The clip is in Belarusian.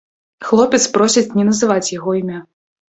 Хлопец просіць не называць яго імя.